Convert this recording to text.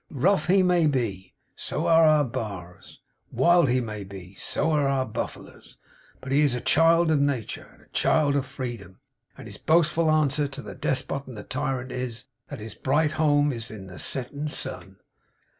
Rough he may be. So air our Barrs. Wild he may be. So air our Buffalers. But he is a child of Natur', and a child of Freedom; and his boastful answer to the Despot and the Tyrant is, that his bright home is in the Settin Sun.